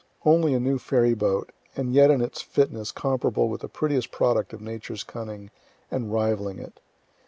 Only a new ferry boat, and yet in its fitness comparable with the prettiest product of Nature's cunning, and rivaling it.